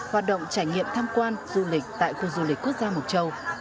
hoạt động trải nghiệm tham quan du lịch tại khu du lịch quốc gia mộc châu